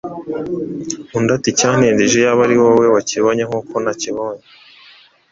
undi ati «Icyantindije iyaba ari wowe wakibonye nk'uko nakibonye